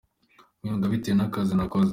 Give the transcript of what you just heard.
mpembwa bitewe nakazi nakoze.